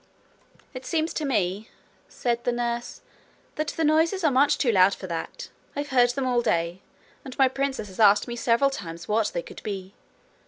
'It seems to me,' said the nurse, 'that the noises are much too loud for that. I have heard them all day, and my princess has asked me several times what they could be.